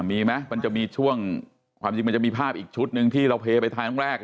มีไหมมันจะมีช่วงความจริงมันจะมีภาพอีกชุดหนึ่งที่เราเพไปทางแรก